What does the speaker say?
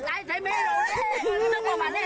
ตอนนี้ก็ไม่มีเมล่าเลย